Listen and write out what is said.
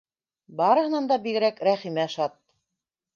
Барыһынан да бигерәк Рәхимә шат.